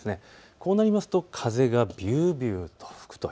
こうなりますと風がびゅうびゅうと吹くと。